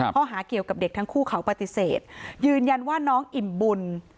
ข้อหาเกี่ยวกับเด็กทั้งคู่เขาปฏิเสธยืนยันว่าน้องอิ่มบุญ